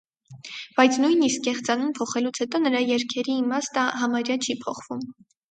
Բայց նույնիսկ կեղծանուն փոխելուց հետո նրա երգերի իմաստը համարյա չի փոխվում։